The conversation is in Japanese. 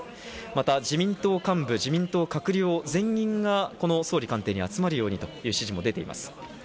また自民党幹部、自民党閣僚、全員がこの総理官邸に集まるようにという指示も出ています。